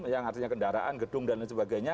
yang artinya kendaraan gedung dan lain sebagainya